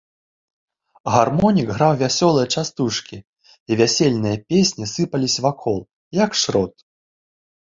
Гармонік граў вясёлыя частушкі, і вясельныя песні сыпаліся вакол, як шрот.